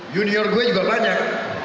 junior gue juga banyak